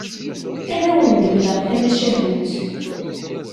Ad awen-d-mleɣ tamacahut.